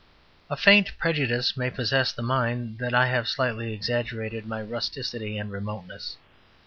A faint prejudice may possess the mind that I have slightly exaggerated my rusticity and remoteness.